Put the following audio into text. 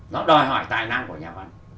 nó đòi hỏi tài năng của nhà văn